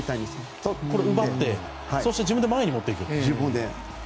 奪ってそして、自分で前に持っていく。